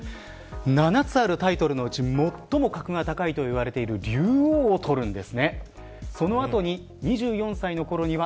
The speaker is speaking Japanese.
七つあるタイトルのうち最も格が高いと言われている竜王を取るんです。